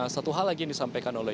satu hal lagi yang disampaikan oleh